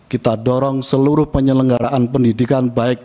kita dorong seluruh penyelenggaraan pendidikan baik